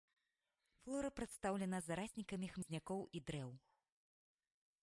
Флора прадстаўлена зараснікамі хмызнякоў і дрэў.